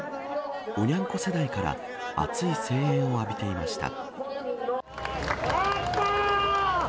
おニャン子世代から熱い声援を浴びていました。